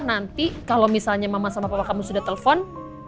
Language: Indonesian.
nanti kalo misalnya mama sama papa kamu sudah telfon